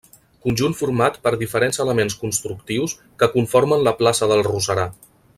Conjunt format per diferents elements constructius que conformen la plaça del Roserar.